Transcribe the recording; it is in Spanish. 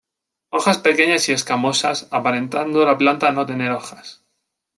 Hojas pequeñas y escamosas, aparentando la planta no tener hojas.